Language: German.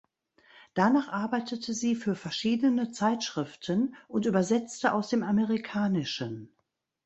Danach arbeitete sie für verschiedene Zeitschriften und übersetzte aus dem Amerikanischen.